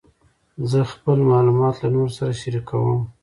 زه خپل معلومات له نورو سره شریکوم.